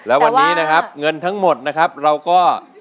แล้ววันนี้นะครับเงินทั้งหมดนะครับเราก็